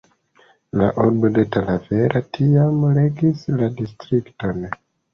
La urbo de Talavera tiam regis la distrikton.